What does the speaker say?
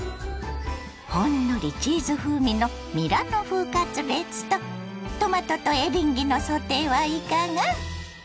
ほんのりチーズ風味のミラノ風カツレツとトマトとエリンギのソテーはいかが？